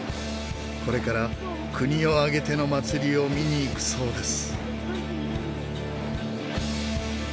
これから国を挙げての祭りを見に行くそうです。